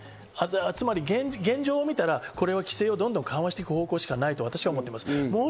つまり現状を見たら、これは規制をどんどん緩和していく方向しかないと私は思ってます。